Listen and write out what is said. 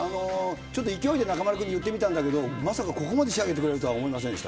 ちょっと勢いで中丸君に言ってみたんだけども、まさかここまで仕上げてくれるとは思いませんでした。